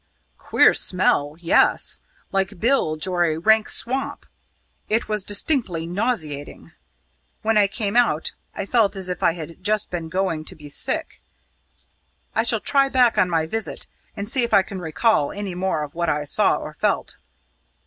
"Queer smell yes! Like bilge or a rank swamp. It was distinctly nauseating; when I came out I felt as if I had just been going to be sick. I shall try back on my visit and see if I can recall any more of what I saw or felt."